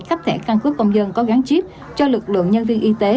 khắp thẻ căn cứ công dân có gán chip cho lực lượng nhân viên y tế